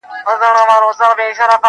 o چي عبرت سي بل نا اهله او ګمراه ته,